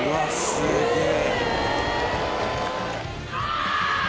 すげえ！